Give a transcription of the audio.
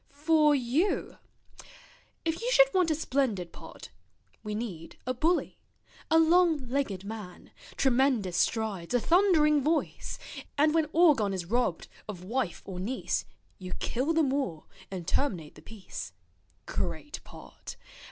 For you: if you should want a splendid part, We need a bully—a long leggèd man, Tremendous strides, a thundering voice; and when Orgon is robbed of wife or niece, you kill The Moor and terminate the piece. Great part!